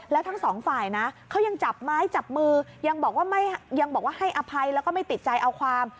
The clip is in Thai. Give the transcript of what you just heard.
แล้วทั้งสองฝ่ายนะเขายังจับไม้จับมือยังบอกว่ายังบอกว่าให้อภัยแล้วก็ไม่ติดใจเอาความ